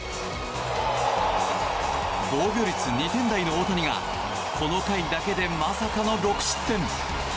防御率２点台の大谷がこの回だけでまさかの６失点。